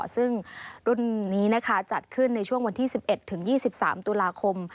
ซึ่งรุ่นนี้จัดขึ้นในช่วงวันที่๑๑๒๓ตุลาคม